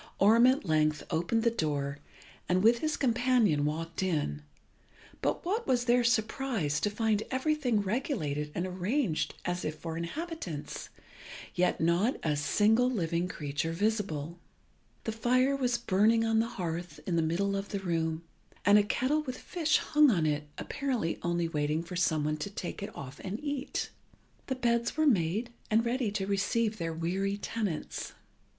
Orm at length opened the door, and with his companion walked in; but what was their surprise to find everything regulated and arranged as if for inhabitants, yet not a single living creature visible. The fire was burning on the hearth in the middle of the room, and a kettle with fish hung on it, apparently only waiting for some one to take it off and eat. The beds were made and ready to receive their weary tenants.